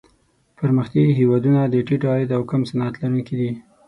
پرمختیايي هېوادونه د ټیټ عاید او کم صنعت لرونکي دي.